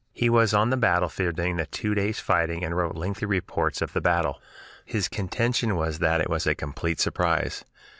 He was on the battlefield during the two days' fighting and wrote lengthy reports of the battle. His contention was that it was a complete surprise.